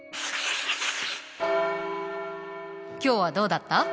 今日はどうだった？